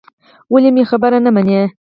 ولې مې خبره نه منې.